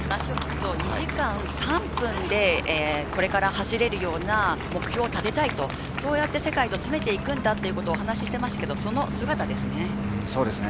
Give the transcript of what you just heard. ２時間３分でこれから走れるような目標を立てたいと、世界と詰めていくんだということを話していましたが、その姿ですね。